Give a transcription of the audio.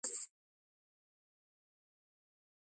د هوټل مالک ته ووايه چې ښه ډوډۍ تياره کړي